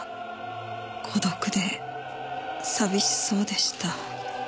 孤独で寂しそうでした。